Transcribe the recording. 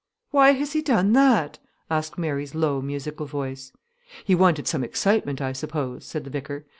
"Why has he done that?" asked Mary's low, musical voice. "He wanted some excitement, I suppose," said the vicar.